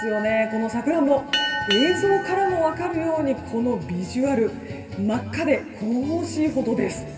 このサクランボ映像からも分かるようにこのビジュアル真っ赤で神々しいほどです。